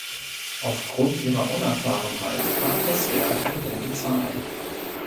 Aufgrund ihrer Unerfahrenheit kam das Werk in rote Zahlen.